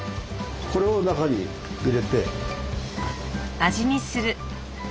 これを中に入れて。